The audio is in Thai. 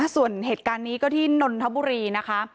ส่วนเหตุการณ์นี้ก็ที่นนทบุรีนะคะ